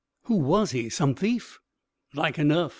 "Who was he some thief?" "Like enough.